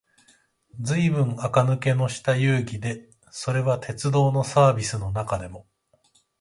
ずいぶん垢抜けのした遊戯で、それは鉄道のサーヴィスの中でも、